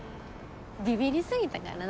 ビビり過ぎたからな。